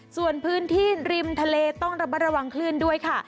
ส่วนพื้นที่ริมทะเลต้องระมัดระวังคลื่นด้วยค่ะ